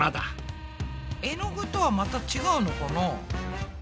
絵の具とはまた違うのかな？